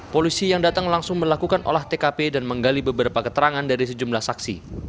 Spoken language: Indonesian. polisi yang datang langsung melakukan olah tkp dan menggali beberapa keterangan dari sejumlah saksi